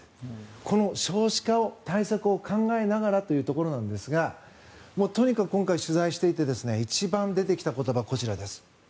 この少子化を、対策を考えながらということなんですがとにかく今回取材していて一番出てきた言葉、こちらです。